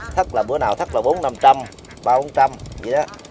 thất là bữa nào thất là bốn năm trăm linh ba bốn trăm linh vậy đó